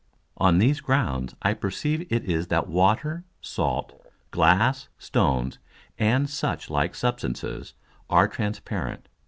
On these grounds I perceive it is that Water, Salt, Glass, Stones, and such like Substances, are transparent.